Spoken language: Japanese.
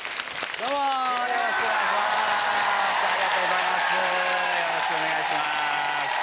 よろしくお願いします。